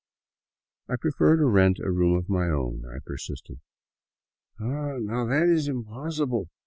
" I prefer to rent a room of my own,'* I persisted. " Ah, now that is impossible.